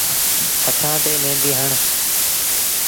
هٿآن ٿي ميݩدي هڻ۔